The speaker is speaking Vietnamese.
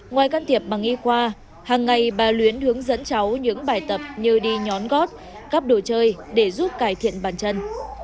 ngoài can thiệp bằng y khoa hằng ngày bà luyến hướng dẫn cháu những bài tập như đi nhón gót cắp đồ chơi để giúp cải thiện bàn chân